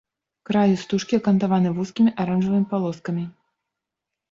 Краю стужкі акантаваны вузкімі аранжавымі палоскамі.